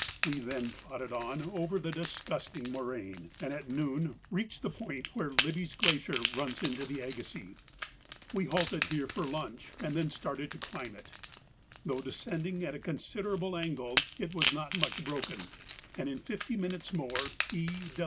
We then plodded on over the disgusting moraine, and at noon reached the point where Libbey's Glacier runs into the Agassiz. We halted here for lunch, and then started to climb it. Though descending at a considerable angle, it was not much broken, and in fifty minutes more E.